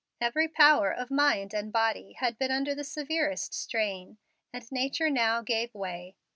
Every power of mind and body had been under the severest strain, and nature now gave way.